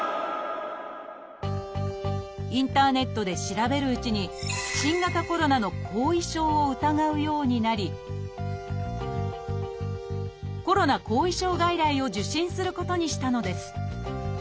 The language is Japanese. インターネットで調べるうちに新型コロナの後遺症を疑うようになりコロナ後遺症外来を受診することにしたのです。